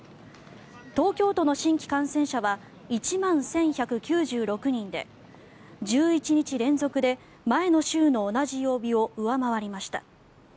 東京都の新規感染者は１万１１９６人で１１日連続で前の週の同じ曜日を上回りました。